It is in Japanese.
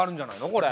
これ。